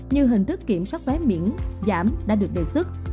như hình thức kiểm soát vé miễn giảm đã được đề xuất